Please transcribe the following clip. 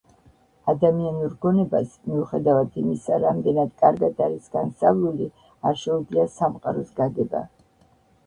ადამიანური გონებას, მიუხედავად იმისა, რამდენად კარგად არის განსწავლული, არ შეუძლია სამყაროს გაგება.